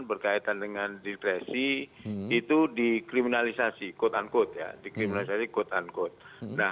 berkaitan dengan diskresi itu dikriminalisasi quote unquote